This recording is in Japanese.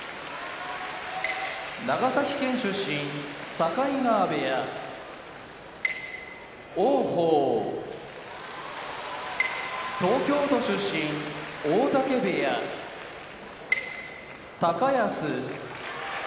長崎県出身境川部屋王鵬東京都出身大嶽部屋高安